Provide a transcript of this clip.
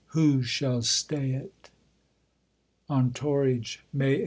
Who shall stay it? On Torridge, May 1849.